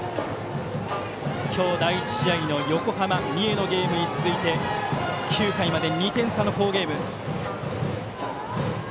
今日、第１試合の横浜と三重のゲームに続いて９回まで２点差の好ゲーム。